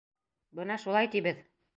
Бына шулай, тибеҙ!